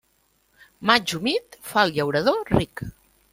Maig humit fa al llaurador ric.